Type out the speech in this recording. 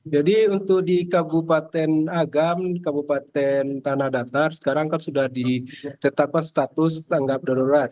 jadi untuk di kabupaten agam kabupaten tanah datar sekarang kan sudah ditetapkan status tanggap dororat